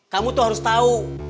kamu tuh harus tahu